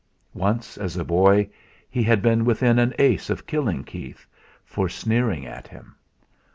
Once, as a boy, he had been within an ace of killing Keith, for sneering at him.